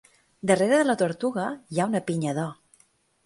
Darrere de la tortuga hi ha una pinya d'or.